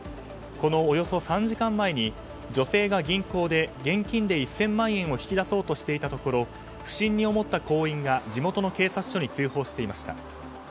このおよそ３時間前に女性が銀行で現金で１０００万円を引き出そうとしていたところ不審に思った行員が地元の警察署に通報していました。